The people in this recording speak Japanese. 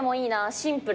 シンプル。